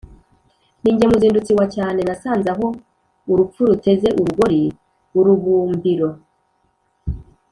Ni jye muzindutsi wa cyane nasanze aho urupfu ruteze urugori. Urubumbiro.